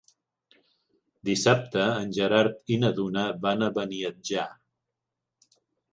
Dissabte en Gerard i na Duna van a Beniatjar.